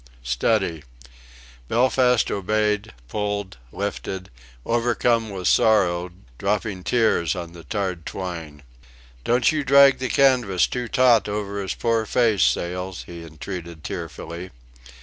Steady." Belfast obeyed, pulled, lifted, overcome with sorrow, dropping tears on the tarred twine. . "Don't you drag the canvas too taut over his poor face, Sails," he entreated, tearfully.